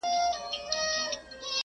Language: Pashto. کرۍ ورځ توري ګولۍ وې چلېدلې